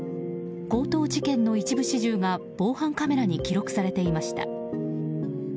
強盗事件の一部始終が防犯カメラに記録されていました。